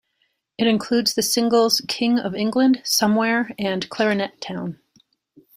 It includes the singles "King of England"', "Somewhere", and "Clarinet Town".